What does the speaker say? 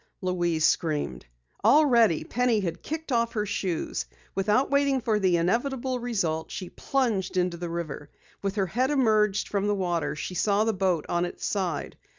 Louise screamed. Already Penny had kicked off her shoes. Without waiting for the inevitable result, she plunged into the river. When her head emerged from the water, she saw the boat on its side.